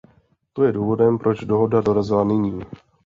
To je důvodem, proč dohoda dorazila nyní.